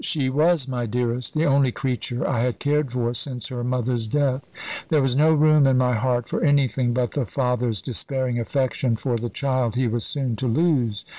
She was my dearest, the only creature I had cared for since her mother's death. There was no room in my heart for anything but the father's despairing affection for the child he was soon to lose.